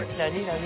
何？